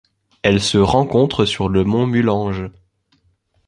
Elle se rencontre sur le mont Mulanje.